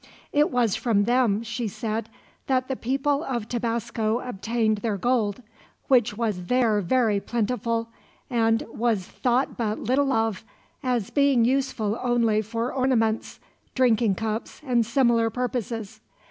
It was from them, she said, that the people of Tabasco obtained their gold; which was there very plentiful, and was thought but little of, as being useful only for ornaments, drinking cups, and similar purposes.